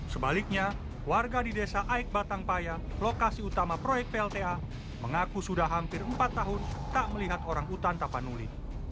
sebaliknya warga di desa aik batangpaya lokasi utama proyek plta mengaku sudah hampir empat tahun tak melihat orang utan tapanuli